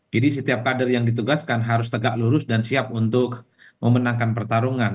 jadi setiap kader yang ditugaskan harus tegak lurus dan siap untuk memenangkan pertarungan